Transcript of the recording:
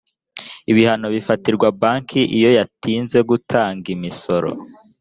ibihano bifatirwa banki iyoyatinze gutanga imisoro.